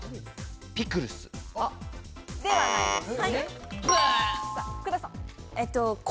ピクルス。ではないです。